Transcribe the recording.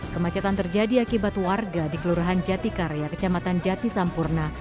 kemacetan terjadi akibat warga di kelurahan jatikarya kecamatan jati sampurna